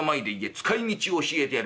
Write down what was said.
使いみちを教えてやる』。